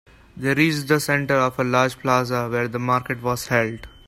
They reached the center of a large plaza where the market was held.